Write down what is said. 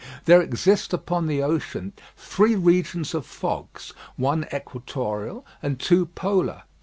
There exist upon the ocean three regions of fogs, one equatorial and two polar.